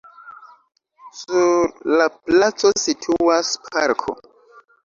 Sur la placo situas parko.